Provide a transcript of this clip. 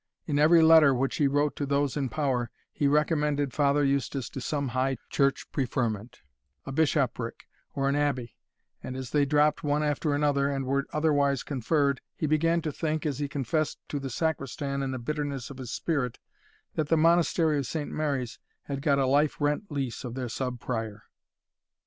In every letter which he wrote to those in power, he recommended Father Eustace to some high church preferment, a bishopric or an abbey; and as they dropped one after another, and were otherwise conferred, he began to think, as he confessed to the Sacristan in the bitterness of his spirit, that the Monastery of St. Mary's had got a life rent lease of their Sub Prior.